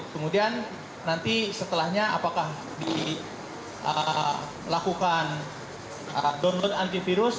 kemudian nanti setelahnya apakah dilakukan download antivirus